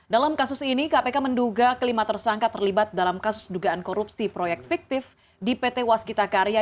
dalam kasus ini kpk menduga kelima tersangka terlibat dalam kasus dugaan korupsi proyek fiktif di pt waskita karya